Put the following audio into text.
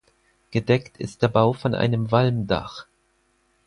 Gedeckt ist der Bau von einem Walmdach.